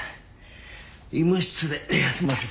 医務室で休ませた。